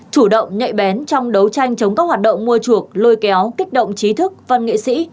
chủ động nhạy bén trong đấu tranh chống các hoạt động mua chuộc lôi kéo kích động trí thức văn nghệ sĩ